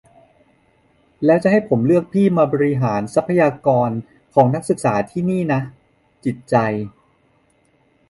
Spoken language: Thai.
แล้วจะให้ผมเลือกพี่มาบริหารทรัพยากรของนักศึกษานี่นะ จิตใจ